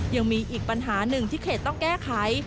ยังมีอีกปัญหาหนึ่งที่เขตต้องแก้ไข